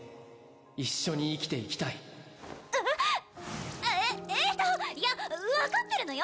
一緒に生きていきたいええっといや分かってるのよ